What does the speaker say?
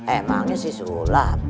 emangnya si sulam